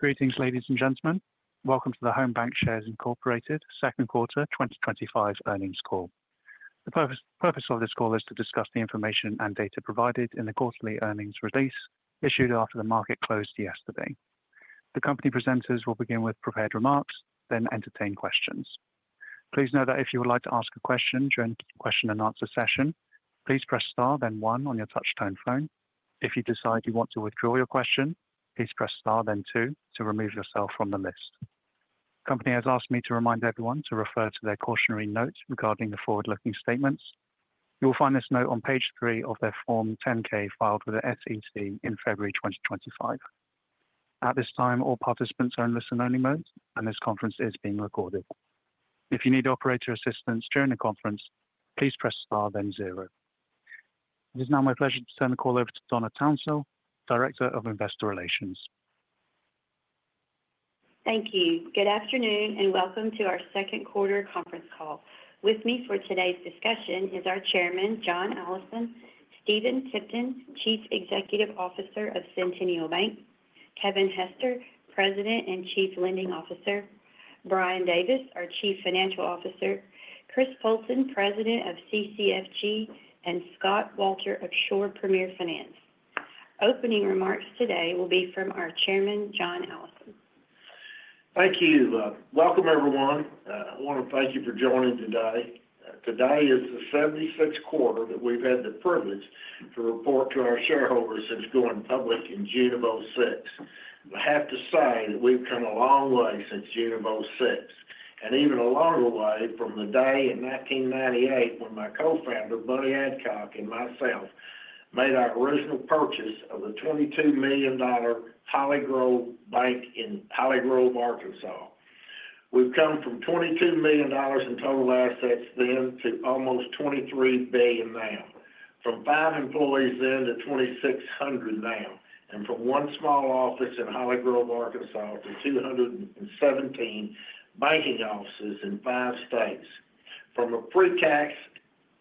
Greetings, ladies and gentlemen. Welcome to the Home Bancshares Incorporated Second Quarter twenty twenty five Earnings Call. Purpose of this call is to discuss the information and data provided in the quarterly earnings release issued after the market closed yesterday. The company presenters will begin with prepared remarks, then entertain questions. The company has asked me to remind everyone to refer to their cautionary notes regarding the forward looking statements. You will find this note on Page three of their Form 10 ks filed with the SEC in February 2025. At this time, all participants are in listen only mode, and this conference is being recorded. It is now my pleasure to turn the call over to Donna Townsell, Director of Investor Relations. Thank you. Good afternoon, and welcome to our second quarter conference call. With me for today's discussion is our Chairman, John Allison Stephen Tipton, Chief Executive Officer of Centennial Bank Kevin Hester, President and Chief Lending Officer Brian Davis, our Chief Financial Officer Chris Fulton, President of CCFG and Scott Walter of Shore Premier Finance. Opening remarks today will be from our Chairman, John Allison. Thank you. Welcome everyone. I want to thank you for joining today. Today is the seventy sixth quarter that we've had the privilege to report to our shareholders since going public in June. I have to say that we've come a long way since June '6 and even a longer way from the day in 1998 when my cofounder, Buddy Adcock, and myself made our original purchase of the $22,000,000 Holly Grove Bank in Holly Grove, Arkansas. We've come from $22,000,000 in total assets then to almost 23,000,000,000 now. From five employees then to 2,600 now and from one small office in Holly Grove, Arkansas to 217 banking offices in five states. From a pretax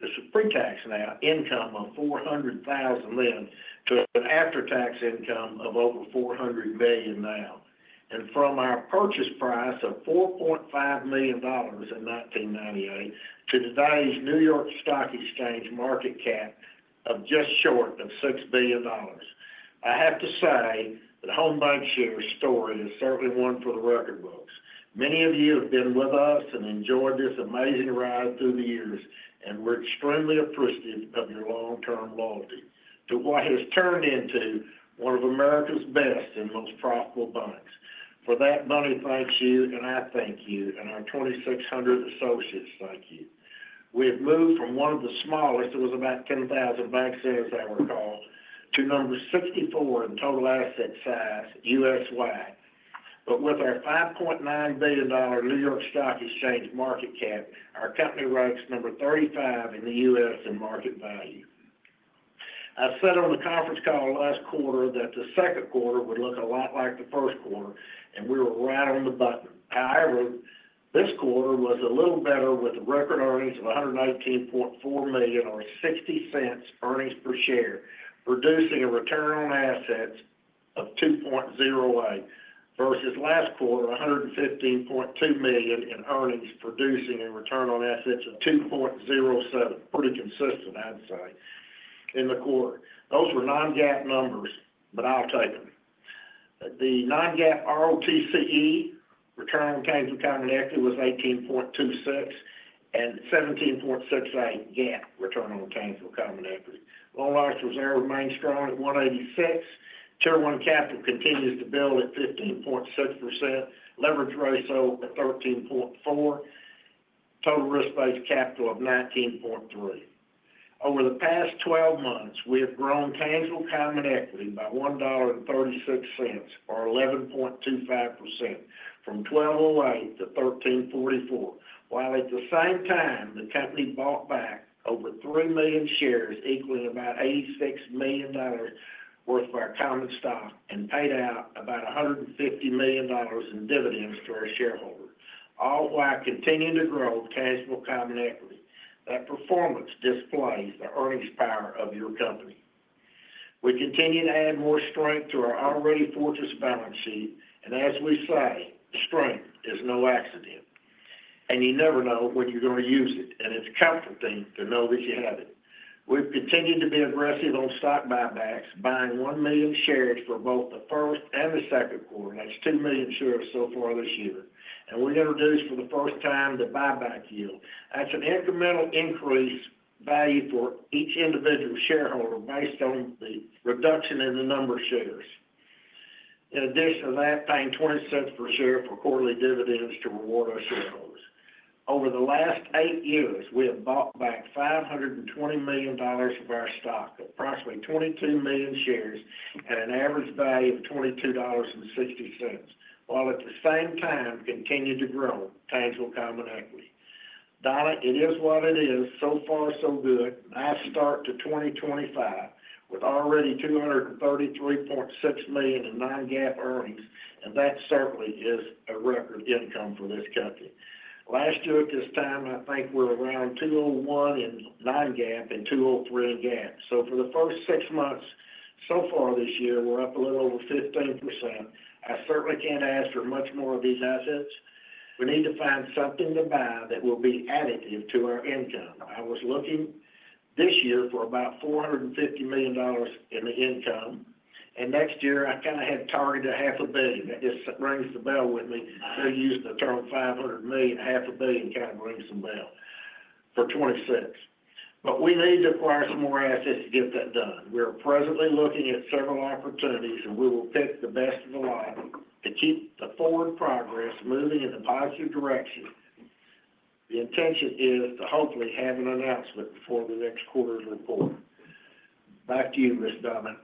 this is pretax now income of R400,000 to an after tax income of over 400,000,000 now. And from our purchase price of $4,500,000 in 1998 to the values New York Stock Exchange market cap of just short of $6,000,000,000 I have to say that Home Bancshares' story is certainly one for the record books. Many of you have been with us and enjoyed this amazing ride through the years, and we're extremely appreciative of your long term loyalty to what has turned into one of America's best and most profitable banks. For that money, thank you, and I thank you, and our 2,600 associates thank you. We have moved from one of the smallest, it was about 10,000 bank sales I recall, to number 64 in total asset size U. Wide. But with our $5,900,000,000 New York Stock Exchange market cap, our company ranks number 35 in The U. S. In market value. I said on the conference call last quarter that the second quarter would look a lot like the first quarter and we were right on the button. However, this quarter was a little better with record earnings of $119,400,000 or $0.60 earnings per share, producing a return on assets of $2.08 versus last quarter $115,200,000 in earnings producing a return on assets of $2.07 pretty consistent, I'd say, in the quarter. Those were non GAAP numbers, but I'll take them. The non GAAP ROTCE return on tangible common equity was 18.2617.68% GAAP return on tangible common equity. Loan loss reserves remain strong at 1.86%. Tier one capital continues to build at 15.6%. Leverage ratio at 13.4%. Total risk based capital of 19.3 Over the past twelve months, we have grown tangible common equity by $1.36 or 11.25% from $12.8 to $13.44 While at the same time, the company bought back over 3,000,000 shares equaling about $86,000,000 worth of our common stock and paid out about $150,000,000 in dividends to our shareholders, all while continuing to grow cash flow common equity. That performance displays the earnings power of your company. We continue to add more strength to our already fortress balance sheet. And as we say, strength is no accident. And you never know when you're gonna use it, and it's comforting to know that you have it. We've continued to be aggressive on stock buybacks, buying 1,000,000 shares for both the first and the second quarter. That's 2,000,000 shares so far this year. And we're to reduce for the first time the buyback yield. That's an incremental increase value for each individual shareholder based on the reduction in the number of shares. In addition, we have paid $0.20 per share for quarterly dividends to reward our shareholders. Over the last eight years, we have bought back $520,000,000 of our stock, approximately 22,000,000 shares at an average value of $22.6 while at the same time continue to grow tangible common equity. Donna, it is what it is, so far so good, nice start to 2025 with already $233,600,000 in non GAAP earnings and that certainly is a record income for this company. Last year at this time, I think we're around $2.00 1,000,000 in non GAAP and $2.00 3,000,000 in GAAP. So for the first six months, so far this year, we're up a little over 15%. I certainly can't ask for much more of these assets. We need to find something to buy that will be additive to our income. I was looking this year for about $450,000,000 in the income. And next year, I kind of have target a $05,000,000,000 I guess that brings the bell with me. I'm use the term $500,000,000 $500,000,000 kind of brings some mail for '26. But we need to acquire some more assets to get that done. We are presently looking at several opportunities, and we will pick the best of the line to keep the forward progress moving in a positive direction. The intention is to hopefully have an announcement before the next quarter's report. Back to you, Ms. Donna.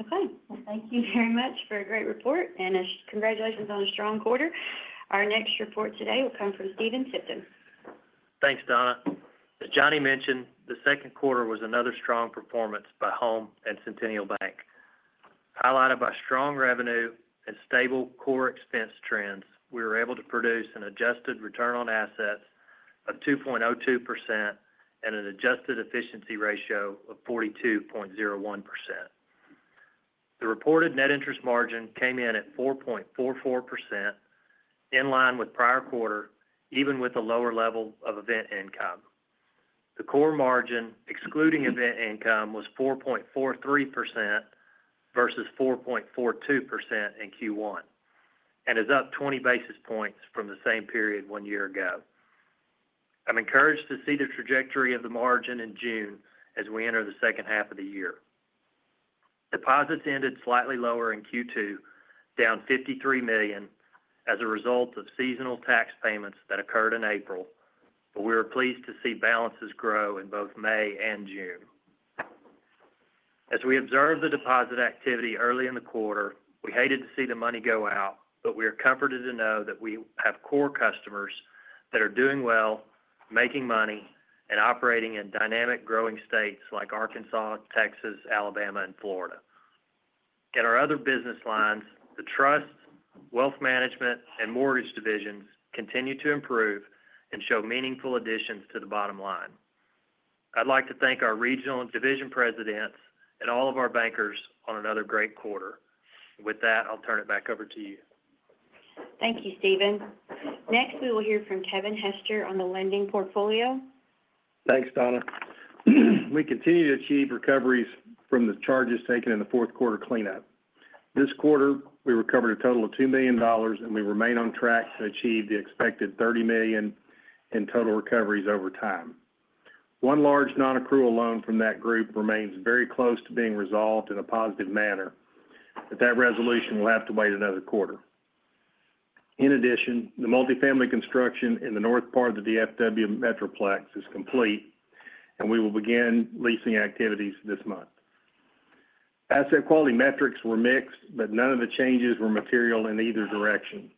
Okay. Well, thank you very much for a great report and congratulations on a strong quarter. Our next report today will come from Steven Sipton. Thanks, Donna. As Johnny mentioned, the second quarter was another strong performance by Home and Centennial Bank. Highlighted by strong revenue and stable core expense trends, we were able to produce an adjusted return on assets of 2.02% and an adjusted efficiency ratio of 42.01%. The reported net interest margin came in at 4.44%, in line with prior quarter even with the lower level of event income. The core margin excluding event income was 4.43% versus 4.42% in Q1 and is up 20 basis points from the same period one year ago. I'm encouraged to see the trajectory of the margin in June as we enter the second half of the year. Deposits ended slightly lower in Q2, down 53,000,000 as a result of seasonal tax payments that occurred in April, but we are pleased to see balances grow in both May and June. As we observed the deposit activity early in the quarter, we hated to see the money go out, but we are comforted to know that we have core customers that are doing well, making money and operating in dynamic growing states like Arkansas, Texas, Alabama and Florida. In our other business lines, the Trust, Wealth Management and Mortgage divisions continue to improve and show meaningful additions to the bottom line. I'd like to thank our Regional and Division Presidents and all of our bankers on another great quarter. With that, I'll turn it back over to you. Thank you, Stephen. Next, we will hear from Kevin Hester on the lending portfolio. Thanks, Donna. We continue to achieve recoveries from the charges taken in the fourth quarter cleanup. This quarter, we recovered a total of $2,000,000 and we remain on track to achieve the expected $30,000,000 in total recoveries over time. One large non accrual loan from that group remains very close to being resolved in a positive manner, but that resolution will have to wait another quarter. In addition, the multifamily construction in the north part of the DFW Metroplex is complete and we will begin leasing activities this month. Asset quality metrics were mixed, but none of the changes were material in either direction.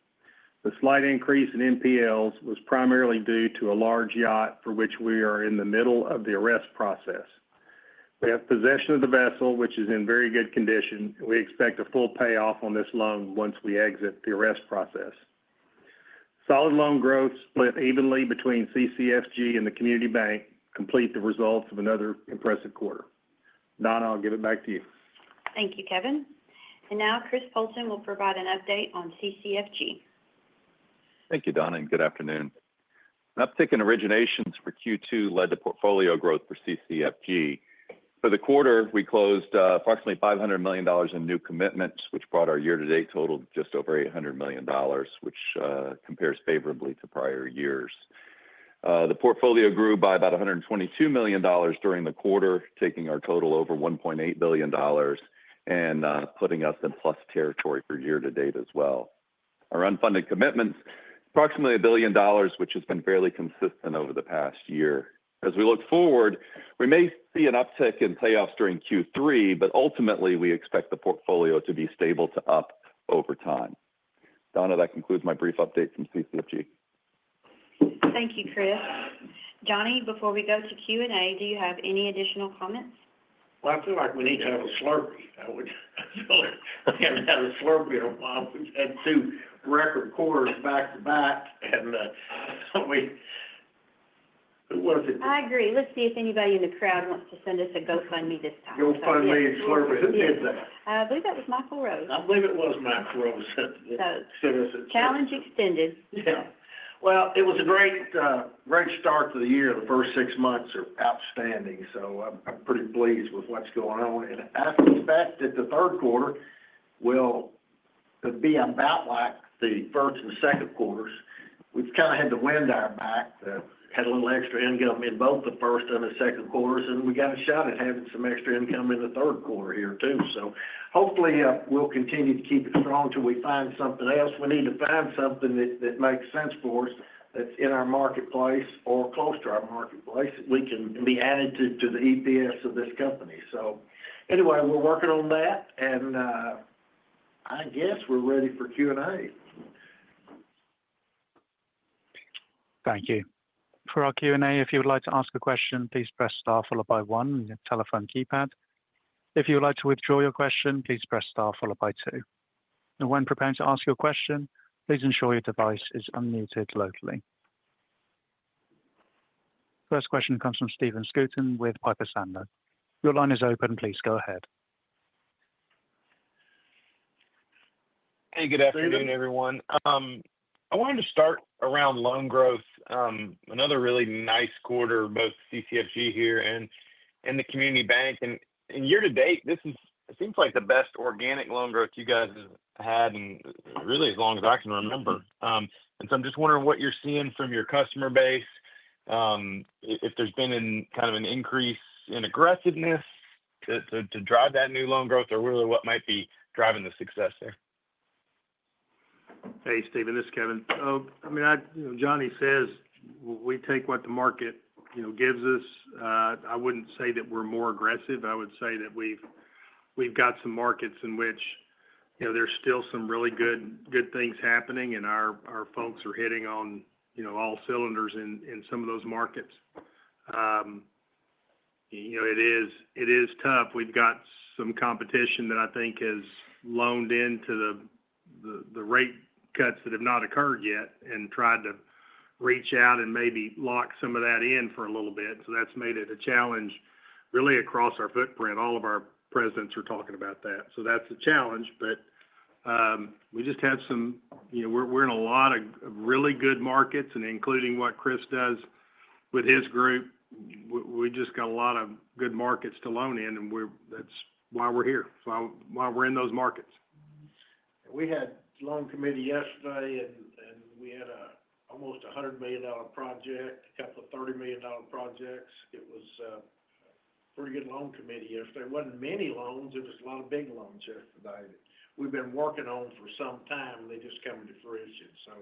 The slight increase in NPLs was primarily due to a large yacht for which we are in the middle of the arrest process. We have possession of the vessel, which is in very good condition, and we expect a full payoff on this loan once we exit the arrest process. Solid loan growth split evenly between CCFG and the Community Bank complete the results of another impressive quarter. Donna, I'll give it back to you. Thank you, Kevin. And now Chris Polson will provide an update on CCFG. Thank you, Donna, and good afternoon. Uptick in originations for Q2 led to portfolio growth for CCFG. For the quarter, we closed approximately $500,000,000 in new commitments, which brought our year to date total just over $800,000,000 which compares favorably to prior years. The portfolio grew by about 122 million dollars during the quarter taking our total over 1.8 billion dollars and putting us in plus territory for year to date as well. Our unfunded commitments approximately $1,000,000,000 which has been fairly consistent over the past year. As we look forward, we may see an uptick in payoffs during Q3, but ultimately we expect the portfolio to be stable to up over time. Donna, that concludes my brief update from CCFG. Thank you, Chris. Johnny, before we go to Q and A, do you have any additional comments? Well, I feel like we need to have a slurry. I haven't had a slurpee in a while. We've had two record quarters back to back, and that's how we who was it? I agree. Let's see if anybody in the crowd wants to send us a GoFundMe this time. GoFundMe slurpee. Who did that? I believe that was Michael Rose. I believe it was Michael Rose. So So Challenge extended. Yeah. Well, it was a great, great start to the year. The first six months are outstanding, so I'm I'm pretty pleased with what's going on. And I expect that the third quarter will be about like the first and second quarters. We've kind of had the wind our back, had a little extra income in both the first and the second quarters, and we got a shot at having some extra income in the third quarter here too. So hopefully, we'll continue to keep it strong till we find something else. We need to find something that makes sense for us that's in our marketplace or close to our marketplace that we can be added to the EPS of this company. So anyway, we're working on that, and I guess we're ready for Q and A. Thank you. First question comes from Stephen Scouten with Piper Sandler. Your line is open. Please go ahead. Good afternoon, I wanted to start around loan growth. Another really nice quarter, CCFG here in the Community Bank. And and year to date, this is it seems like the best organic loan growth you guys had in really as long as I can remember. And so I'm just wondering what you're seeing from your customer base, if there's been an kind of an increase in aggressiveness to drive that new loan growth or really what might be driving the success there? Hey, Stephen. This is Kevin. I mean, Johnny says we take what the market gives us. I wouldn't say that we're more aggressive. I would say that we've got some markets in which there's still some really good things happening and our folks are hitting on all cylinders in some of those markets. It is tough. We've got some competition that I think has loaned into the rate cuts that have not occurred yet and tried to reach out and maybe lock some of that in for a little bit. So that's made it a challenge really across our footprint. All of our presidents are talking about that. So that's a challenge. But, we just had some you know we're we're in a lot of really good markets and including what Chris does with his group. We just got a lot of good markets to loan in, and we're that's why we're here. So why we're in those markets. We had loan committee yesterday, and and we had a almost a $100,000,000 project, a couple of $30,000,000 projects. It was a pretty good loan committee yesterday. It wasn't many loans. It was a lot of big loans yesterday. We've been working on for some time, and they just come to fruition. So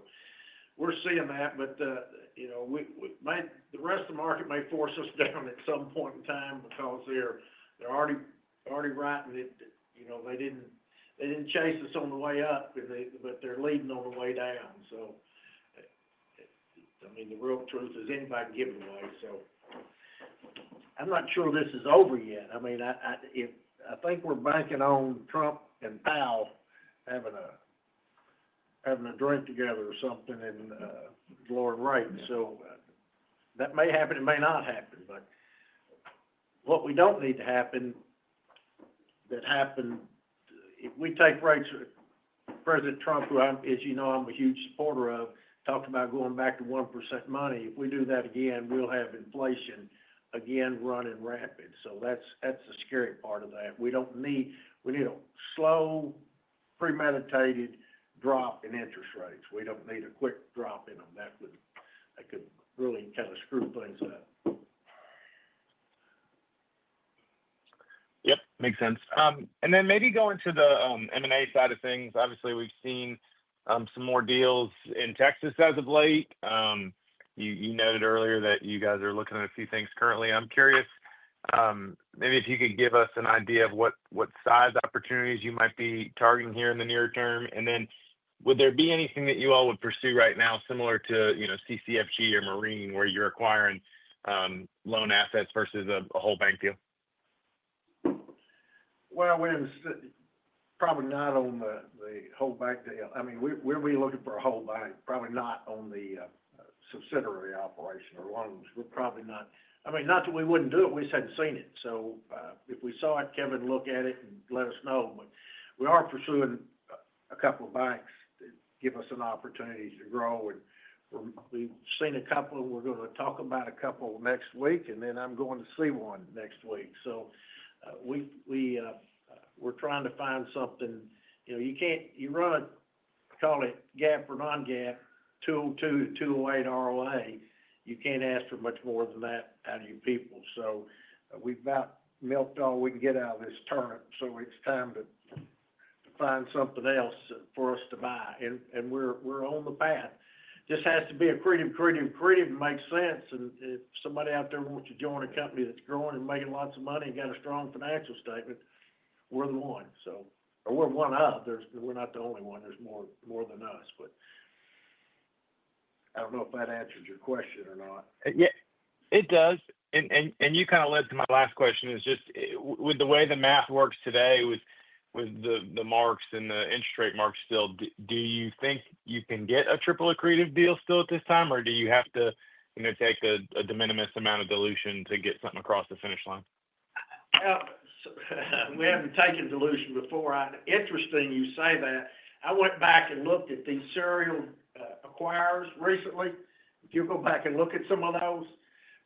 we're seeing that, but, you know, we we might the rest of the market might force us down at some point in time because they're they're already already writing it. You know, they didn't they didn't chase us on the way up, but they but they're leading on the way down. So, I mean, the real truth is anybody giving away. So I'm not sure this is over yet. I mean, I I if I think we're banking on Trump and Powell having a having a drink together or something in Florida right. So that may happen. It may not happen. But what we don't need to happen that happened if we take breaks, president Trump, who I'm as you know, I'm a huge supporter of, talked about going back to 1% money. If we do that again, we'll have inflation again running rapid. So that's that's the scary part of that. We don't need we need a slow premeditated drop in interest rates. We don't need a quick drop in them. That would that could really kinda screw things up. Yep. Makes sense. And then maybe going to the m and a side of things. Obviously, we've seen some more deals in Texas as of late. You noted earlier that you guys are looking at a few things currently. I'm curious, maybe if you could give us an idea of what size opportunities you might be targeting here in the near term. And then would there be anything that you all would pursue right now similar to CCFG or Marine where you're acquiring loan assets versus a whole bank deal? Well, we're probably not on the the whole bank deal. I mean, we where are we looking for a whole bank? Probably not on the subsidiary operation or loans. We're probably not I mean, not that we wouldn't do it. We just hadn't seen it. So if we saw it, Kevin, look at it and let us know. But we are pursuing a couple of banks that give us an opportunity to grow. And we've seen a couple. We're gonna talk about a couple next week, and then I'm going to see one next week. So, we we, we're trying to find something. You know, you can't you run a call it GAAP or non GAAP, two two two zero eight ROI. You can't ask for much more than that out of your people. So we've about milked all we can get out of this turret, so it's time to to find something else for us to buy, and and we're we're on the path. This has to be a pretty, pretty, and makes sense. And if somebody out there wants to join a company that's growing and making lots of money and got a strong financial statement, we're the one. So or we're one of. There's we're not the only one. There's more more than us, but I don't know if that answers your question or not. Yeah. It does. And and and you kinda led to my last question. It's just with the way the math works today with with the marks and the interest rate marks still, do you think you can get a triple accretive deal still at this time? Or do you have to take a de minimis amount of dilution to get something across the finish line? We haven't taken dilution before. Interesting you say that. I went back and looked at the serial, acquirers recently. If you go back and look at some of those,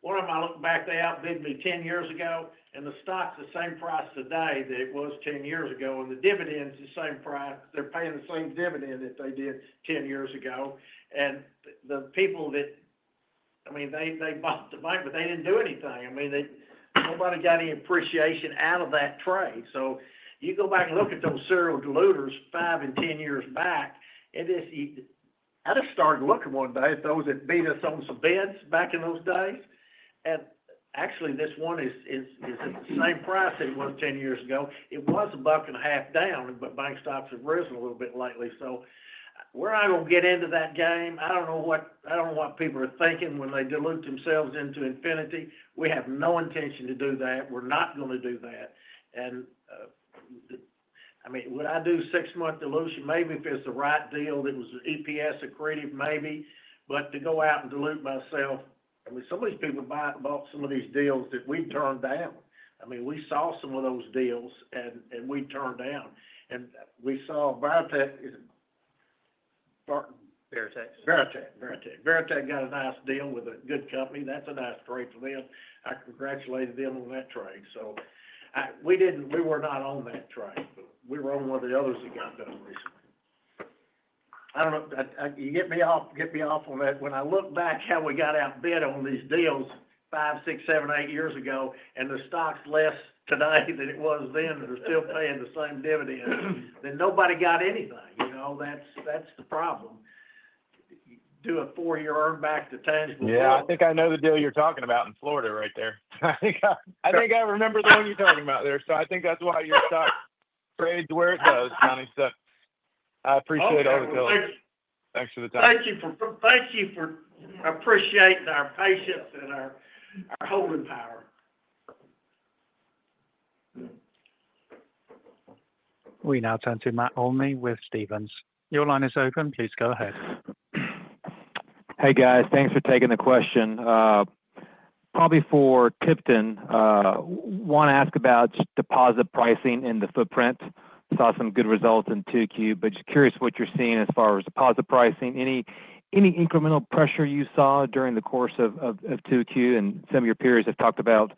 one of my look back, they outbid me ten years ago, and the stock's the same price today that it was ten years ago, and the dividend's the same price. They're paying the same dividend that they did ten years ago. And the people that, I mean, they they bought the bank, but they didn't do anything. I mean, they nobody got any appreciation out of that trade. So you go back and look at those serial diluters five and ten years back, it is I just started looking one day at those that beat us on some beds back in those days. And, actually, this one is is is at the same price it was ten years ago. It was a buck and a half down, but bank stocks have risen a little bit lately. So where I will get into that game, I don't know what I don't know what people are thinking when they dilute themselves into infinity. We have no intention to do that. We're not gonna do that. And, I mean, when do six month dilution? Maybe if it's the right deal that was EPS accretive, maybe. But to go out and dilute myself I mean, some of these people buy bought some of these deals that we turned down. I mean, we saw some of those deals and and we turned down. And we saw biotech Barton? Veritex. Veritex. Veritex. Veritex got a nice deal with a good company. That's a nice trade for them. I congratulate them on that trade. So we didn't we were not on that trade, but we were on one of the others who got done recently. I don't know. You get me off get me off on that. When I look back how we got outbid on these deals five, six, seven, eight years ago and the stock's less tonight than it was then, and they're still paying the same dividend, then nobody got anything. You know? That's that's the problem. Do a four year earn back to 10 Yeah. I think I know the deal you're talking about in Florida right there. I think I I think I remember the one you're talking about there. So I think that's why you're stuck trades where it goes, Connie. So I appreciate all the color. Thanks for the time. Thank you for thank you for appreciate our patience and our our holding power. We now turn to Matt Olney with Stephens. Your line is open. Please go ahead. Hey, guys. Thanks for taking the question. Probably for Tipton, I want to ask about deposit pricing in the footprint. Saw some good results in 2Q, but just curious what you're seeing as far as deposit pricing. Any incremental pressure you saw during the course of 2Q and some of your peers have talked about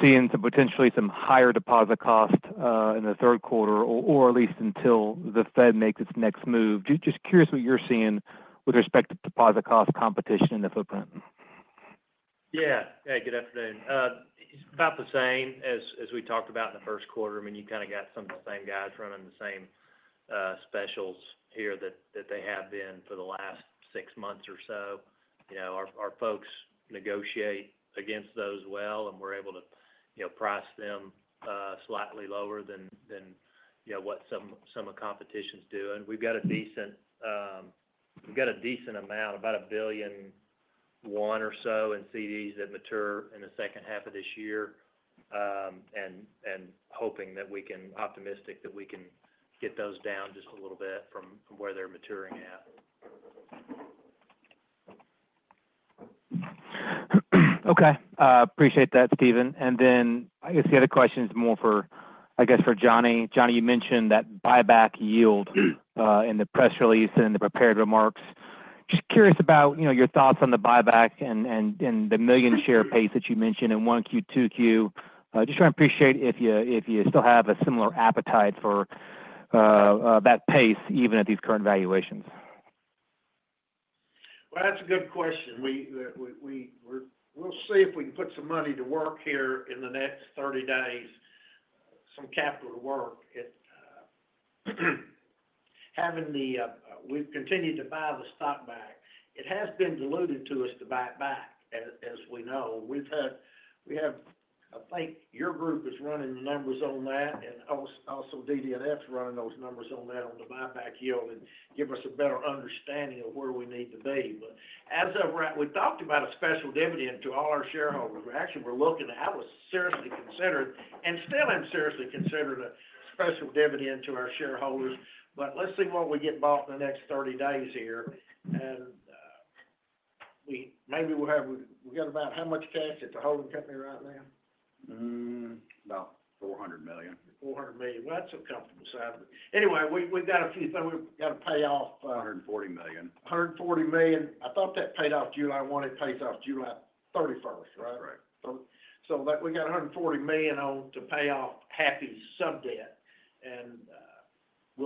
seeing some potentially some higher deposit cost in the third quarter or at least until the Fed makes its next move. Just curious what you're seeing with respect to deposit cost competition in the footprint? Yes. Hey, good afternoon. It's about the same as we talked about in the first quarter. I mean, you kind of got some of the same guys running the same specials here that they have been for the last six months or so. Our folks negotiate against those well and we're able to price them slightly lower than what of the competition is doing. We've got a decent amount, about $1.1 or so in CDs that mature in the second half of this year and hoping that we can optimistic that we can get those down just a little bit from where they're maturing at. Okay. I appreciate that, Stephen. And then I guess the other question is more for, I guess, for Johnny. Johnny, you mentioned that buyback yield in the press release and in the prepared remarks. Just curious about your thoughts on the buyback and the million share pace that you mentioned in 1Q, 2Q. Just trying to appreciate if you still have a similar appetite for that pace even at these current valuations. Well, that's a good question. We we we we're we'll see if we can put some money to work here in the next thirty days, some capital to work. It having the we've continued to buy the stock back. It has been diluted to us to buy it back as as we know. We've had we have I think your group is running numbers on that and also also DD and F's running those numbers on that on the buyback yield and give us a better understanding of where we need to be. But as of right, we talked about a special dividend to all our shareholders. We're actually we're looking to have a seriously considered and still unseriously considered a special dividend to our shareholders. But let's see what we get bought in the next thirty days here. And we maybe we'll have we got about how much cash at the holding company right now? About 400,000,000. 400,000,000. Well, that's a comfortable side. Anyway, we we've got a few things. We've gotta pay off 140,000,000. 140,000,000. I thought that paid off July 1. It paid off July 31. Right? Right. So that we got a 140,000,000 on to pay off happy sub debt, and we'll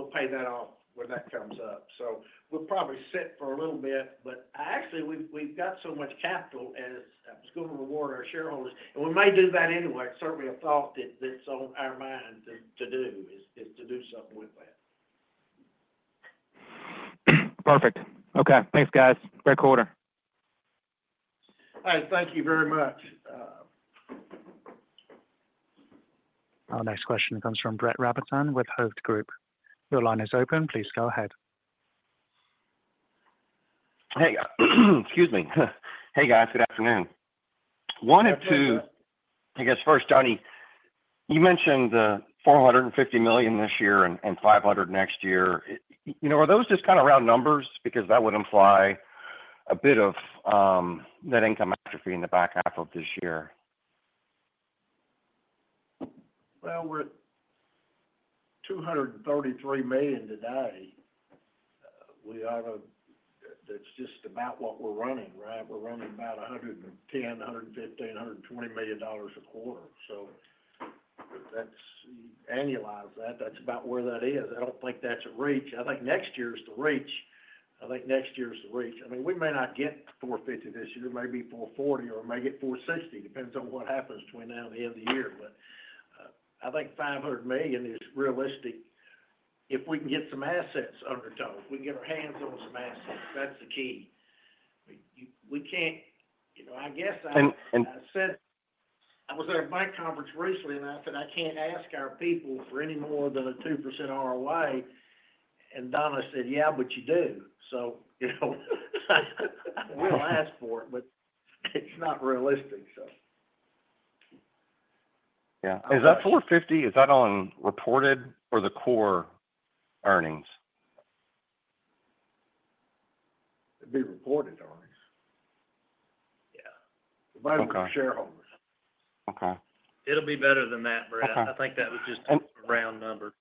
pay that off when that comes up. So we'll probably sit for a little bit, but, actually, we've we've got so much capital as it's gonna reward our shareholders. And we might do that anyway. It's certainly a thought that that's on our mind to to do is is to do something with that. Perfect. Okay. Thanks, guys. Great quarter. Alright. Thank you very much. Our next question comes from Brett Rabatin with Hovde Group. Your line is open. Please go ahead. Hey, guys. Good afternoon. Wanted to I guess, first, Johnny, you mentioned the $450,000,000 this year and 500,000,000 next year. Are those just kind of round numbers? Because that would imply a bit of, net income atrophy in the back half of this year. Well, we're at 233,000,000 today. We are that's just about what we're running. Right? We're running about a 110, a 115, a $120,000,000 a quarter. So that's annualized. That that's about where that is. I don't think that's a reach. I think next year's the reach. I think next year's the reach. I mean, we may not get $4.50 this year. It might be $4.40 or it might get four sixty. Depends on what happens between now and the end of the year. But I think 500,000,000 is realistic if we can get some assets under total. We can get our hands on some assets, that's the key. We we can't you know, I guess I And and I said I was at a bank conference recently, and I said, can't ask our people for any more than a 2% ROI. And Donna said, yeah. But you do. So, you know, we'll ask for it, but it's not realistic. So Yeah. Is that $4.50? Is that on reported or the core earnings? It'd be reported earnings. Yeah. But it's for shareholders. Okay. It'll be better than that, Brett. I think that was just a round number.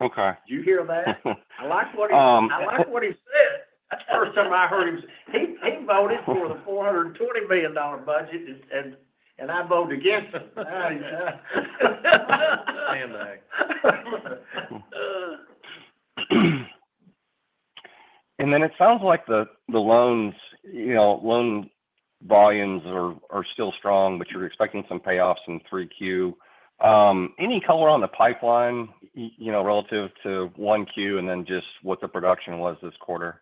Okay. Do you hear that? I like what he I like what he said. That's the first time I heard him. He he voted for the $420,000,000 budget, and and I voted against him. And then it sounds like the loans loan volumes are still strong, but you're expecting some payoffs in 3Q. Any color on the pipeline relative to 1Q and then just what the production was this quarter?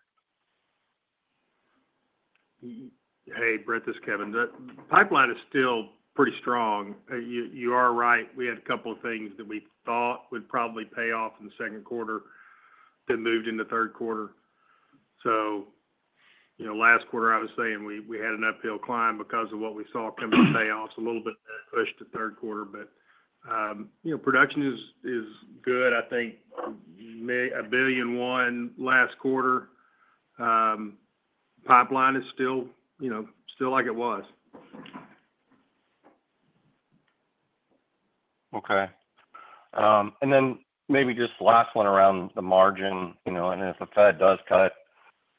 Brett, this is Kevin. The pipeline is still pretty strong. You are right. We had a couple of things that we thought would probably pay off in the second quarter that moved into third quarter. So last quarter, I was saying we had an uphill climb because of what we saw coming to pay off. It's a little bit pushed to third quarter. Production is good. I think $1,000,000,000 last quarter. Pipeline is still like it was. Okay. And then maybe just last one around the margin. And if the Fed does cut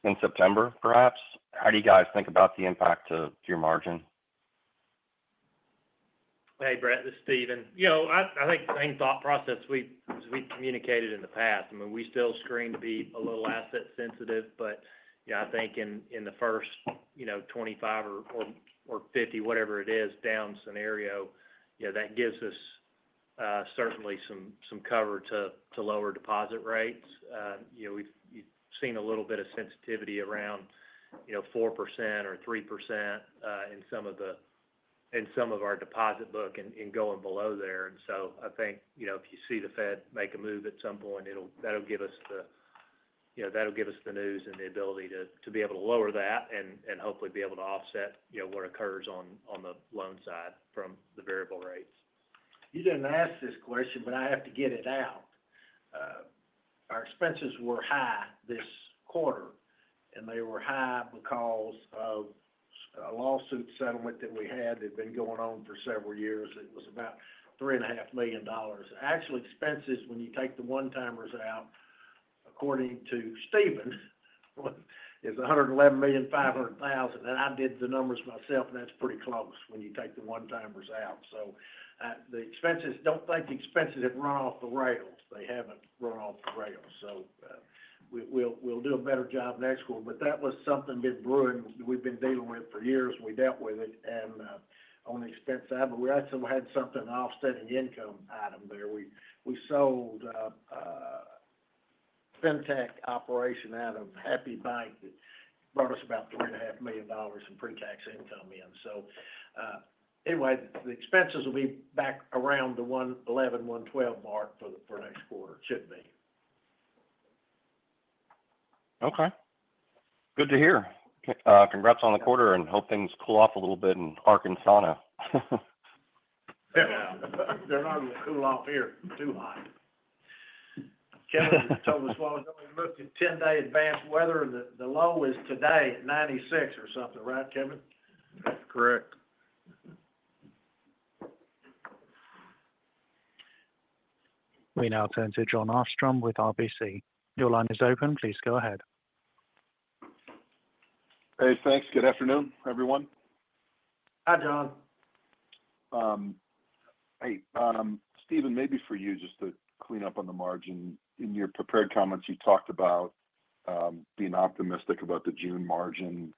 in September perhaps, how do you guys think about the impact to your margin? Brett. This is Steven. I think the same thought process we've communicated in the past. I mean, we still screen to be a little asset sensitive. But I think in the first 2550 whatever it is down scenario that gives us certainly some cover to lower deposit rates. We've seen a little bit of sensitivity around 4% or three percent in some of our deposit book and going below there. And so I think if you see the Fed make a move at some point, it'll that'll give us the news and the ability to be able to lower that and hopefully be able to offset what occurs on the loan side from the variable rates. You didn't ask this question, but I have to get it out. Our expenses were high this quarter, and they were high because of lawsuit settlement that we had that had been going on for several years. It was about three and a half million dollars. Actually, expenses, you take the one timers out, according to Steven, is a 111,500,000. And I did the numbers myself, and that's pretty close when you take the one timers out. So the expenses don't think the expenses have run off the rails. They haven't run off the rails. So we we'll we'll do a better job next quarter, but that was something that brewing. We've been dealing with for years. We dealt with it and on the expense side, but we had some we had something offsetting the income item there. We we sold fintech operation out of Happy Bank that brought us about $3,500,000 in pretax income in. So, anyway, the expenses will be back around the $1.11, $1.12 mark for the for next quarter, it should be. Okay. Good to hear. Congrats on the quarter, and hope things cool off a little bit in Arkansas now. Yeah. They're not gonna cool off here too high. Kevin told us what was that we looked at ten day advanced weather. The the low is today at 96 or something. Right, Kevin? That's correct. We now turn to Jon Arfstrom with RBC. Your line is open. Please go ahead. Hey, thanks. Good afternoon, everyone. Hi, Jon. Hi. Steven, maybe for you, just to clean up on the margin. In your prepared comments, you talked about being optimistic about the June margin.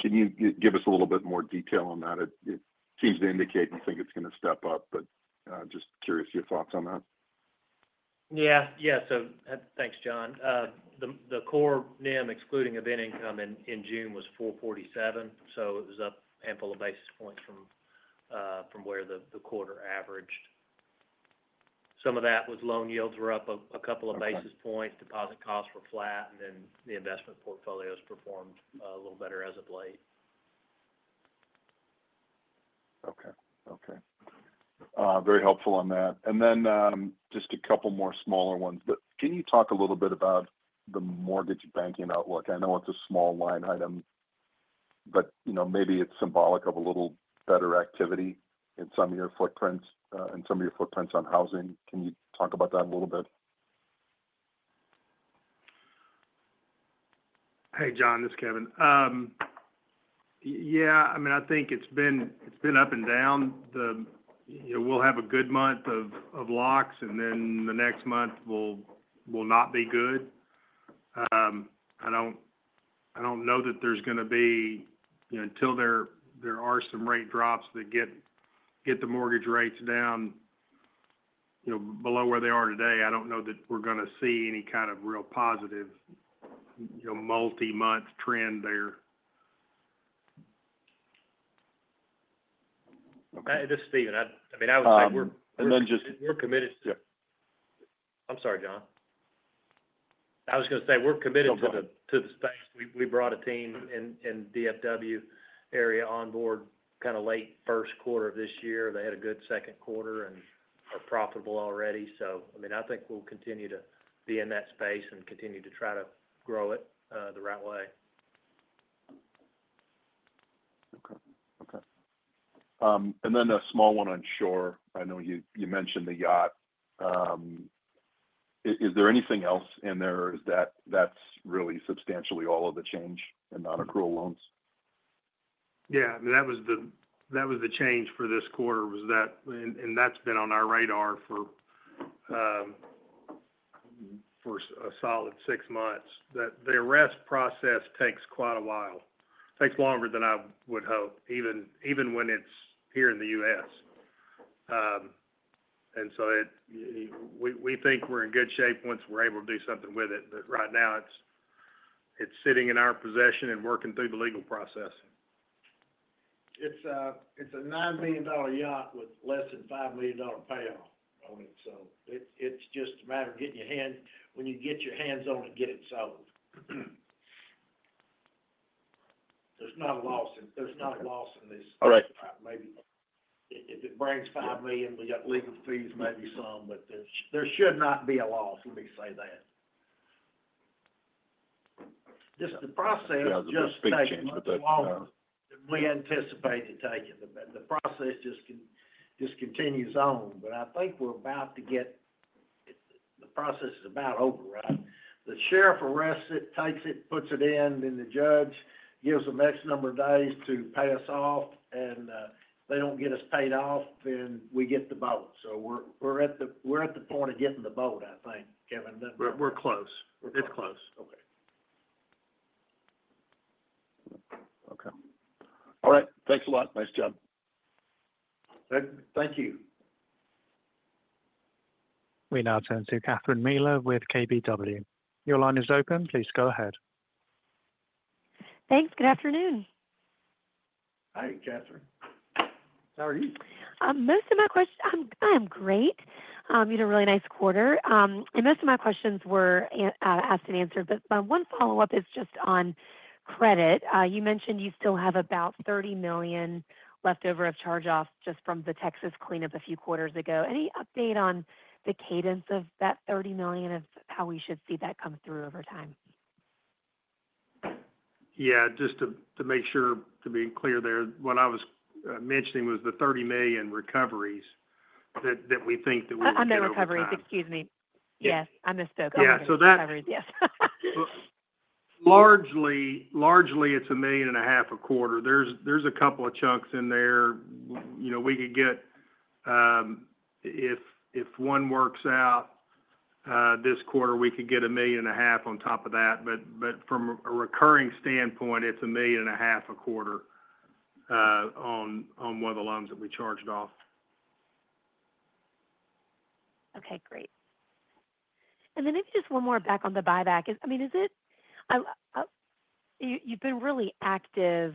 Can you give us a little bit more detail on that? It seems to indicate you think it's going to step up, but just curious your thoughts on that. Yes. Yes. So thanks, John. The core NIM excluding event income in June was 4.47%. So it was up ample of basis points from where the quarter averaged. Some of that was loan yields were up a couple of basis points, deposit costs were flat and then the investment portfolios performed a little better as of late. Okay. Okay. Very helpful on that. And then just a couple more smaller ones. But can you talk a little bit about the mortgage banking outlook? I know it's a small line item, but maybe it's symbolic of a little better activity in some of your footprints on housing. Can you talk about that a little bit? John. This is Kevin. Yeah. I mean, think it's been up and down. We'll have a good month of locks and then the next month will not be good. Don't know that there's gonna be you know, until there there are some rate drops that get get the mortgage rates down, you know, below where they are today, I don't know that we're gonna see any kind of real positive, you know, multi month trend there. Okay. This is Steven. I I mean, I would say we're we're committed to I'm sorry, John. I was gonna say we're committed We to the to the we brought a team in in DFW area onboard kinda late first quarter of this year. They had a good second quarter and are profitable already. So, I mean, I think we'll continue to be in that space and continue to try to grow it the right way. Okay. And then a small one on shore. I know you mentioned the yacht. Is there anything else in there that's really substantially all of the change in non accrual loans? Yes. That was the change for this quarter was that and that's been on our radar a solid six months. The arrest process takes quite a while. It takes longer than I would hope even when it's here in The US. And so it we we think we're in good shape once we're able to do something with it. But right now, it's it's sitting in our possession and working through the legal process. It's a it's a $9,000,000 yacht with less than $5,000,000 payoff on it. So it it's just a matter of getting your hand when you get your hands on it, get it sold. There's not a loss in there's not a loss in this. Alright. Maybe if it brings 5,000,000, we got legal fees, maybe some, but there there should not be a loss. Let me say that. Just the process Yeah. The big change with the We anticipate to take it. The the process just just continues on, but I think we're about to get the process is about over. Right? The sheriff arrests it, takes it, puts it in, then the judge gives them x number of days to pay us off. And they don't get us paid off, then we get the vote. So we're we're at the we're at the point of getting the vote, I think, Kevin. We're we're close. It's close. Okay. All right. Thanks a lot. Nice job. Thank you. We now turn to Catherine Mealor with KBW. Your line is open. Please go ahead. Thanks. Good afternoon. Hi, Kathryn. How are you? Most of my questions I am great. You had a really nice quarter. And most of my questions were asked and answered. But one follow-up is just on credit. You mentioned you still have about $30,000,000 leftover of charge offs just from the Texas cleanup a few quarters ago. Any update on the cadence of that $30,000,000 of how we should see that come through over time? Yeah. Just to to make sure to be clear there, what I was mentioning was the 30,000,000 recoveries that that we think that we're On the gonna able recoveries. Excuse me. Yes. I missed the coverage. Yes. Largely largely, it's a 1,000,000 point dollars a quarter. There's there's a couple of chunks in there. You know, we could get, if if one works out, this quarter, we could get $1,000,000 on top of that. But but from a recurring standpoint, it's $1,000,000 a quarter on one of the loans that we charged off. Okay, great. And then maybe just one more back on the buyback. I mean, is it you've been really active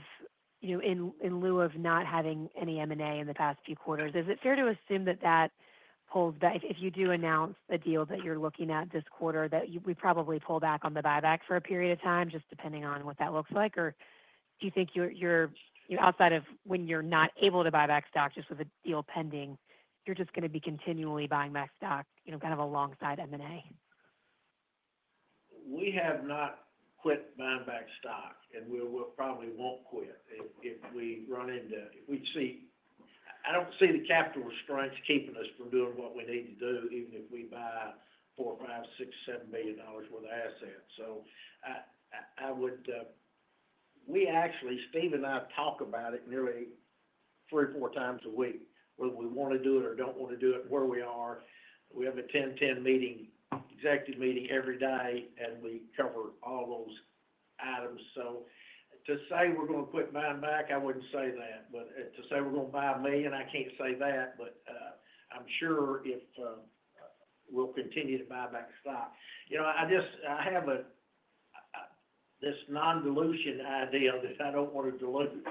in lieu of not having any M and A in the past few quarters. Is it fair to assume that that pulls back if you do announce a deal that you're looking at this quarter that we probably pull back on the buyback for a period of time just depending on what that looks like? Or do you think you're outside of when you're not able to buy back stock just with the deal pending, you're just going to be continually buying back stock, you know, kind of alongside M and A? We have not quit buying back stock, and we'll we'll probably won't quit if if we run into we'd see I don't see the capital restraints keeping us from doing what we need to do even if we buy $4.05, $67,000,000 worth of assets. So I would we actually Steve and I talk about it nearly three or four times a week. Whether we wanna do it or don't wanna do it where we are, we have a 10:10 meeting executive meeting every day, and we cover all those items. So to say we're gonna quit buying back, I wouldn't say that. But to say we're gonna buy a million, I can't say that. But I'm sure if we'll continue to buy back stock. You know, I just I have a this nondilution idea that I don't wanna dilute.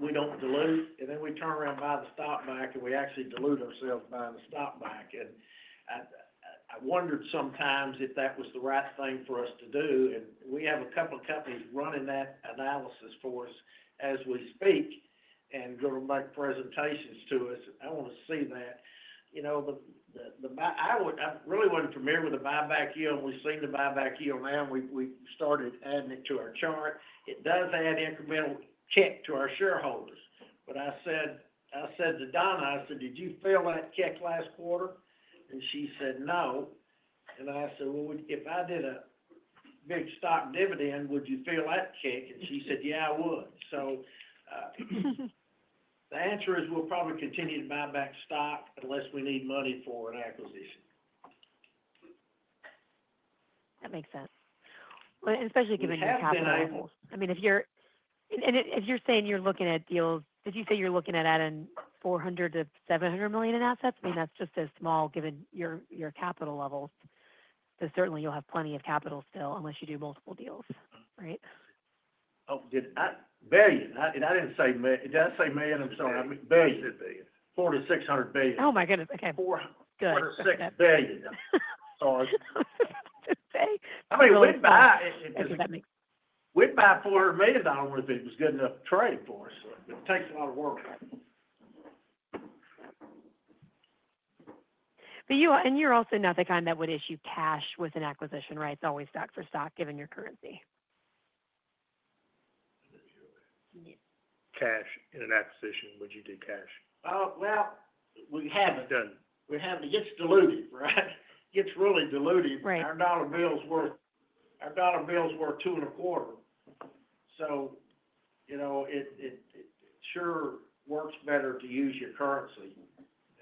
We don't dilute, and then we turn around by the stock back, and we actually dilute ourselves by the stock back. And I I wondered sometimes if that was the right thing for us to do. And we have a couple of companies running that analysis for us as we speak and go to make presentations to us. I wanna see that. You know, the the the I would I really wasn't familiar with the buyback yield. We've seen the buyback yield now. We we started adding it to our chart. It does add incremental check to our shareholders. But I said I said to Donna, I said, did you feel that kick last quarter? And she said, no. And I said, well, if I did a big stock dividend, would you feel that kick? And she said, yeah. I would. So the answer is we'll probably continue to buy back stock unless we need money for an acquisition. That makes sense. Well, especially given your capital I mean, if you're and if you're saying you're looking at deals, did you say you're looking at adding 400,000,000 to 700,000,000 in assets? I mean, that's just as small given your your capital levels. But certainly, you'll have plenty of capital still unless you do multiple deals. Right? Oh, did I billion. I and I didn't say did I say million? I'm sorry. Billion. Billion. 4 to 600,000,000,000. Oh my goodness. Okay. 4 Good. 4 to 6,000,000,000. Sorry. Today? I mean, we'd buy that makes. We'd buy $400,000,000 if it was good enough trade for us. It takes a lot of work. But you and you're also not the kind that would issue cash with an acquisition. Right? It's always stock for stock given your currency. Cash in an acquisition, would you do cash? Well, we haven't. We haven't. Gets diluted. Right? It's really diluted. Right. Our dollar bill's worth our dollar bill's worth two and a quarter. So, you know, it it it sure works better to use your currency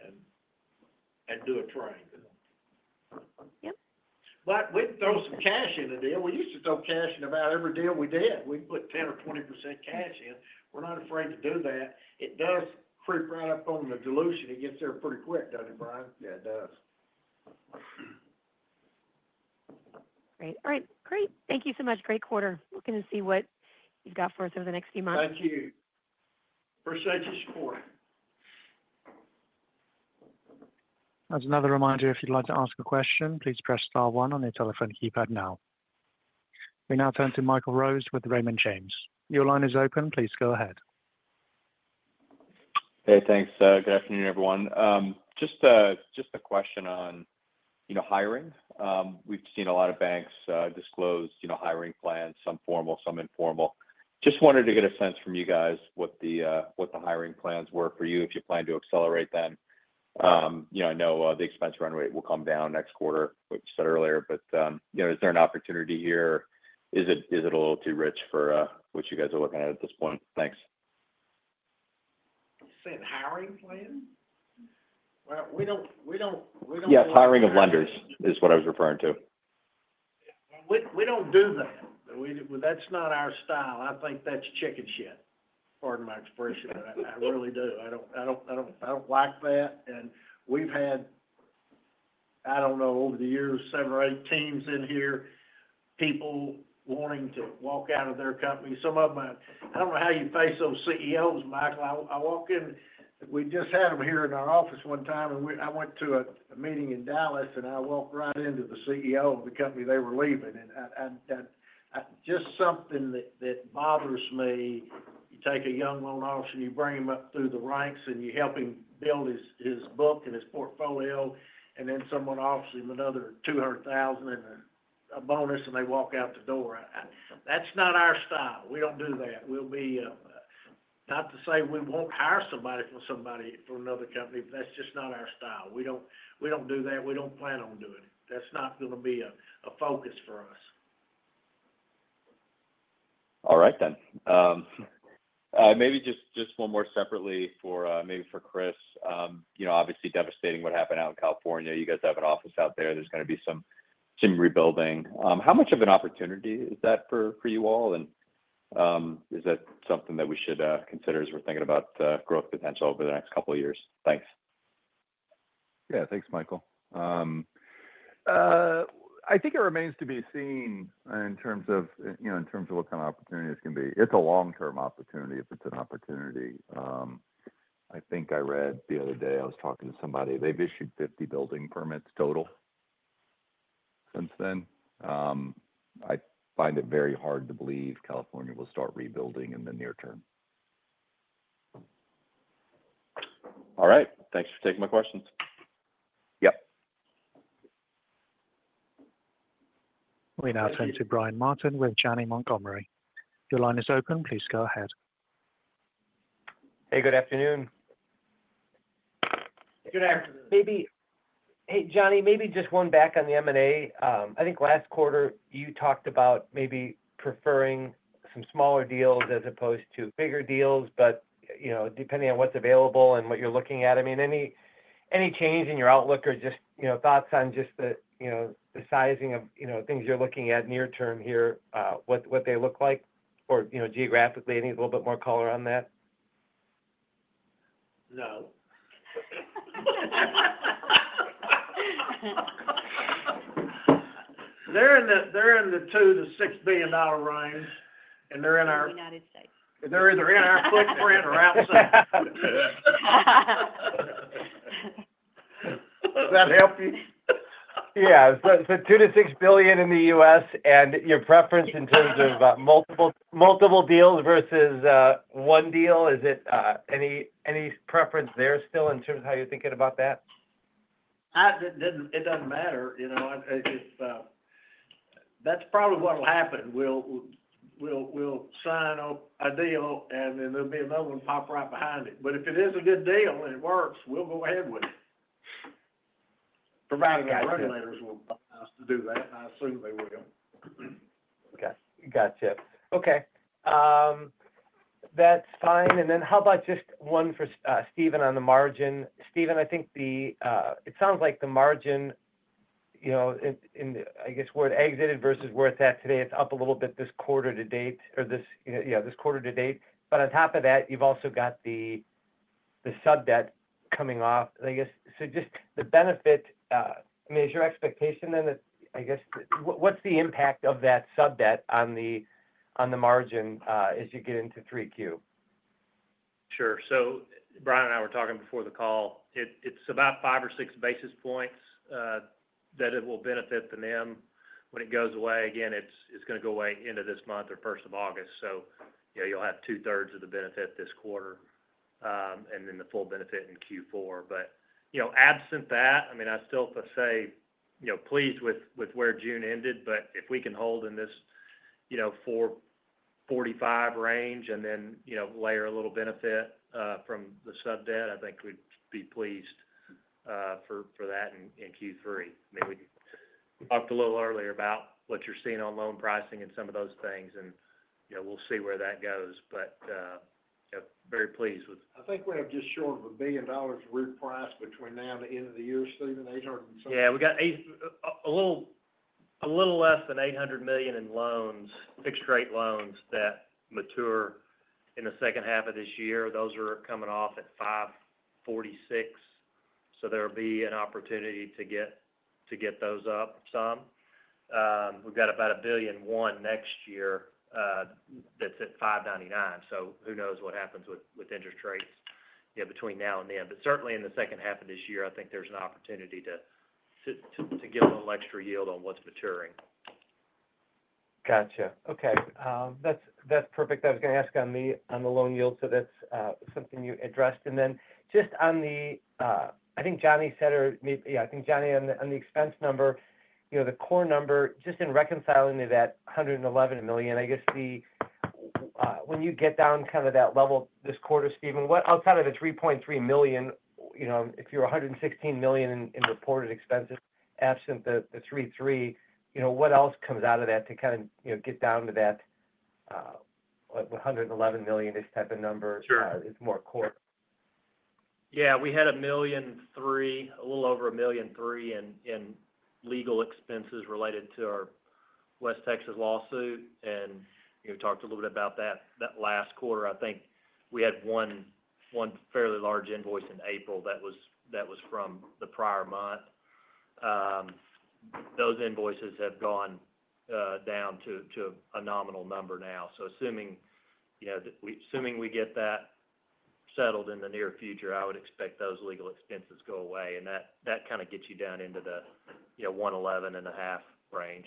and and do a trade. Yep. But we throw some cash in the deal. We used to throw cash in about every deal we did. We put 10 or 20% cash in. We're not afraid to do that. It does creep right up on the dilution. It gets there pretty quick, doesn't it, Brian? Yeah. It does. Great. Alright. Great. Thank you so much. Great quarter. Looking to see what you've got for us over the next few months. Thank you. Appreciate your support. We now turn to Michael Rose with Raymond James. Your line is open. Please go ahead. Hey, thanks. Good afternoon, everyone. Just a question on hiring. We've seen a lot of banks disclose hiring plans, some formal, some informal. Just wanted to get a sense from you guys what the, what the hiring plans were for you if you plan to accelerate them. You know, I know, the expense run rate will come down next quarter, which you said earlier, but, you know, is there an opportunity here? Is it is it a little too rich for, what you guys are looking at at this point? Thanks. You said hiring plan? Well, we don't we don't we don't Yes. Hiring of lenders is what I was referring to. We we don't do that. We well, that's not our style. I think that's chicken shit. Pardon my expression. I I really do. I don't I don't I don't I don't like that. And we've had, I don't know, over the years, seven or eight teams in here, people wanting to walk out of their company. Some of them I don't know how you face those CEOs, Michael. I I walk in we just had them here in our office one time, and we I went to a a meeting in Dallas, and I walked right into the CEO of the company they were leaving. And and and and just something that that bothers me. You take a young loan officer, you bring him up through the ranks, and you help him build his his book and his portfolio, and then someone offers him another 200,000 and a bonus, and they walk out the door. That's not our style. We don't do that. We'll be not to say we won't hire somebody from somebody from another company, but that's just not our style. We don't we don't do that. We don't plan on doing it. That's not gonna be a a focus for us. Alright then. Maybe just just one more separately for maybe for Chris. You know, obviously devastating what happened out in California. You guys have an office out there. There's going be some some rebuilding. How much of an opportunity is that for you all? And is that something that we should consider as we're thinking about growth potential over the next couple of years? Thanks. Yeah. Thanks, Michael. I think it remains to be seen in terms of, you know, in terms of what kind of opportunity it's going to be. It's a long term opportunity if it's an opportunity. I think I read the other day, I was talking to somebody, they've issued 50 building permits total since then. I find it very hard to believe California will start rebuilding in the near term. All right. Thanks for taking my questions. Yes. We now turn to Brian Martin with Janney Montgomery. Your line is open. Please go ahead. Hey. Good afternoon. Good afternoon. Maybe hey, Johnny. Maybe just one back on the M and A. I think last quarter, you talked about maybe preferring some smaller deals as opposed to bigger deals, but, you know, depending on what's available and what you're looking at. I mean, any any change in your outlook or just, you know, thoughts on just the, you know, the sizing of, you know, things you're looking at near term here, what what they look like or, you know, geographically, any little bit more color on that? No. They're in the they're in the 2 to $6,000,000,000 range, and they're in our United States. And they're in our footprint or outside. Does that help you? Yeah. So so 2,000,000,000 to $6,000,000,000 in The US and your preference in terms of multiple multiple deals versus one deal? Is it any any preference there still in terms of how you're thinking about that? I it doesn't matter. You know? If that's probably what'll happen. We'll we'll we'll sign up a deal, and then there'll be another one pop right behind it. But if it is a good deal and it works, we'll go ahead with it. Provide guidelines. Will ask to do that. I assume they will. Okay. Gotcha. Okay. That's fine. And then how about just one for, Steven on the margin? Steven, I think the, it sounds like the margin, you know, in the I guess, it exited versus where it's at today, it's up a little bit this quarter to date or this, you know, yeah, this quarter to date. But on top of that, you've also got the the sub debt coming off. And I guess so just the benefit, I mean, is your expectation then that, I guess, what's the impact of that sub debt on the on the margin as you get into 3Q? Sure. So Brian and I were talking before the call. It's about five or six basis points that it will benefit the NIM when it goes away. Again, it's going to go away end of this month or August 1. So you'll have two thirds of the benefit this quarter and then the full benefit in Q4. But absent that, I mean, I still say pleased with where June ended. But if we can hold in this 4.45 range and then layer a little benefit from the sub debt, I think we'd be pleased for that in Q3. I mean, we talked a little earlier about what you're seeing on loan pricing and some of those things and we'll see where that goes. But very pleased with I think we're just short of $1,000,000,000 of route price between now and the end of the year, Stephen? Yes. We got a little less than $800,000,000 in loans, fixed rate loans that mature in the second half of this year. Those are coming off at $5.46 So there will be an opportunity to get those up some. We've got about $1,000,000,000 next year that's at 5,990,000,000.00 So who knows what happens with interest rates between now and then. But certainly in the second half of this year, I think there's an opportunity to get a little extra yield on what's maturing. Got you. Okay. That's perfect. I was going ask on the loan yield, that's, something you addressed. And then just on the, I think Johnny said or maybe I think Johnny on the expense number, you know, the core number, just in reconciling to that 111,000,000, I guess the, when you get down kind of that level this quarter, Steven, what outside of the 3,300,000.0, you know, if you're 116,000,000 in in reported expenses absent the 3,300,000.0 you know, what else comes out of that to kind of, you know, get down to that, $111,000,000 this type of number is Yeah. More We had 1.3 a little over $1,300,000 in legal expenses related to our West Texas lawsuit. And we talked a little bit about that last quarter. I think we had one fairly large invoice in April that was from the prior month. Those invoices have gone down to a nominal number now. So assuming we get that settled in the near future, I would expect those legal expenses go away and that kind of gets you down into the you know, $111,500,000 range.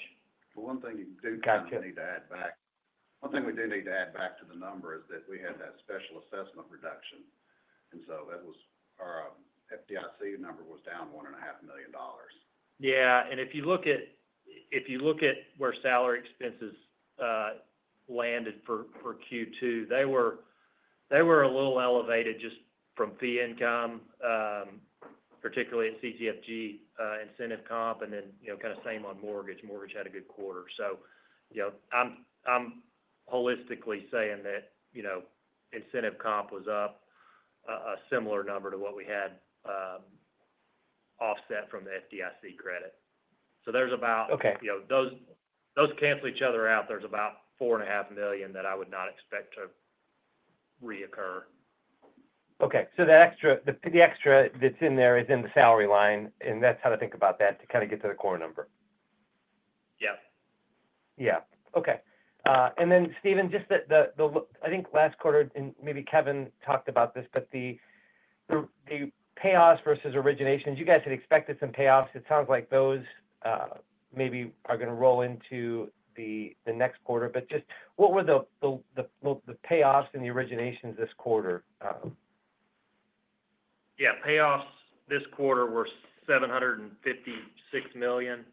One thing you do need add back one thing we do need to add back to the number is that we had that special assessment reduction. And so that was our FDIC number was down $1,500,000 Yes. And if you look at where salary expenses landed for Q2, they were a little elevated just from fee income, particularly at CTFG incentive comp and then kind of same on mortgage. Mortgage had a good quarter. So I'm holistically saying that incentive comp was up a similar number to what we had offset from the FDIC credit. So there's about Okay. Those cancel each other out. There's about $4,500,000 that I would not expect to reoccur. Okay. So the extra that's in there is in the salary line and that's how to think about that to kind of get to the core number? Yes. Yes. Okay. And then, Steven, just the the I think last quarter and maybe Kevin talked about this, but the the the payoffs versus originations, you guys had expected some payoffs. It sounds like those maybe are going to roll into the next quarter. But just what were the payoffs in the originations this quarter? Yes. Payoffs this quarter were $756,000,000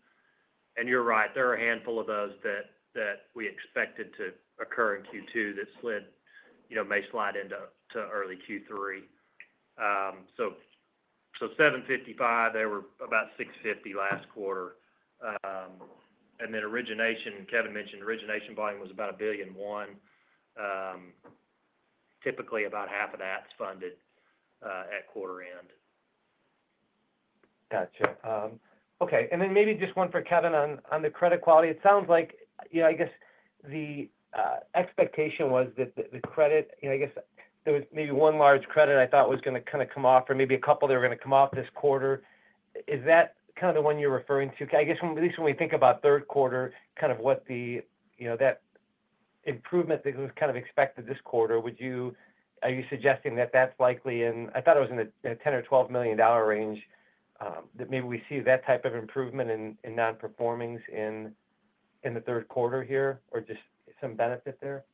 And you're right, there are a handful of those that we expected to occur in Q2 that slid may slide into early Q3. So $755,000,000 they were about $650,000,000 last quarter. And then origination Kevin mentioned origination volume was about 1,000,000,000 point Typically about half of that is funded at quarter end. Got you. Okay. And then maybe just one for Kevin on the credit quality. It sounds like, I guess, the expectation was that the credit, I guess, there was maybe one large credit I thought was going to kind of come off or maybe a couple that are going to come off this quarter. Is that kind of the one you're referring to? I guess, at least when we think about third quarter, kind of what the that improvement that was kind of expected this quarter, would you are you suggesting that that's likely in I thought it was in the 10,000,000 or $12,000,000 range, that maybe we see that type of improvement in non performing in the third quarter here or just some benefit there?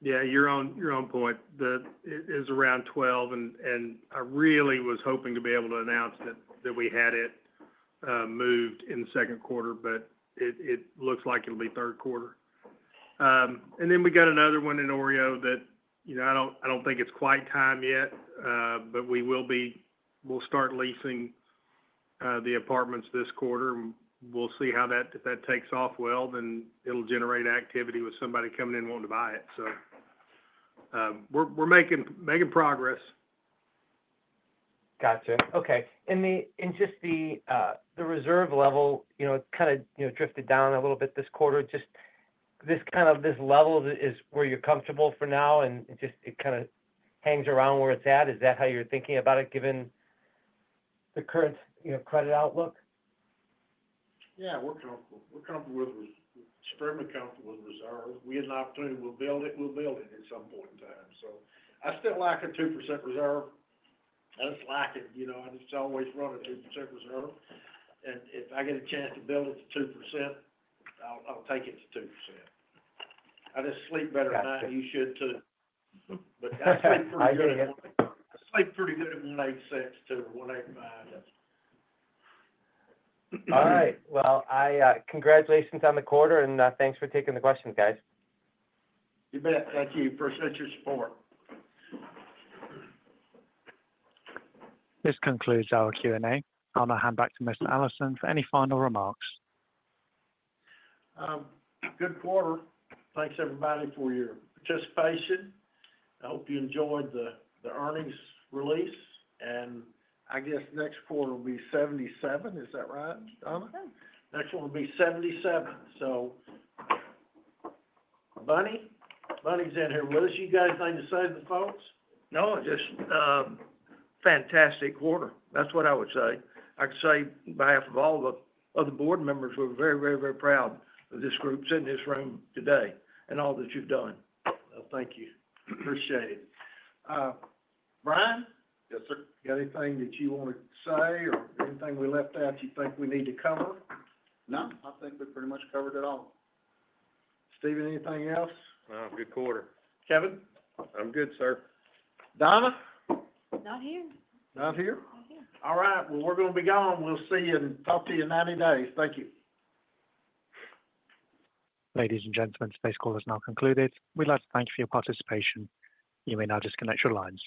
Yeah. You're on your own point. That is around 12, and and I really was hoping to be able to announce that that we had it moved in the second quarter, but it it looks like it'll be third quarter. And then we got another one in OREO that I don't think it's quite time yet, but we will be we'll start leasing the apartments this quarter. We'll see how that takes off well, then it'll generate activity with somebody coming in wanting to buy it. So we're making progress. Got you. Okay. And just the reserve level, it kind of drifted down a little bit this quarter. Just this kind of this level is where you're comfortable for now and it just it kinda hangs around where it's at. Is that how you're thinking about it given the current, you know, credit outlook? Yeah. We're comfortable. We're comfortable with extremely comfortable with reserve. We had an opportunity. We'll build it. We'll build it at some point in time. So I still like a 2% reserve. I just like it. You know, I just always run a 2% reserve. And if I get a chance to build it to 2%, I'll I'll take it to 2%. I just sleep better than I. You should too. But I sleep pretty I sleep pretty good if you make sense to what I've got. All right. Well, congratulations on the quarter, and thanks for taking the questions, guys. You bet. Thank you for such your support. This concludes our Q and A. I'm going hand back to Mr. Allison for any final remarks. Good quarter. Thanks, everybody, for your participation. I hope you enjoyed the earnings release. And I guess next quarter will be 77. Is that right, Donna? Next one will be 77. So, Bunny, Bunny's in here. What else do you guys need to say to the folks? No. Just fantastic quarter. That's what I would say. I'd say, on behalf of all of the other board members, we're very, very, very proud of this group sitting in this room today and all that you've done. Well, thank you. Appreciate it. Brian? Yes, sir. Got anything that you wanted to say or anything we left out you think we need to cover? No. I think we pretty much covered it all. Steven, anything else? No. Good quarter. Kevin? I'm good, sir. Donna? Not here. Not here? Not here. All right. Well, we're going be gone. We'll see you and talk to you in ninety days. Thank you. Ladies and gentlemen, today's call has now concluded. We'd like to thank you for your participation. You may now disconnect your lines.